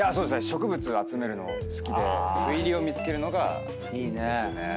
植物集めるの好きで斑入りを見つけるのが好きです。